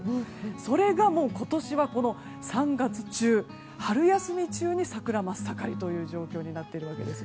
それがもう今年は３月中春休み中に桜真っ盛りという状況になっています。